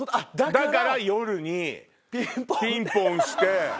だから夜にピンポン押して。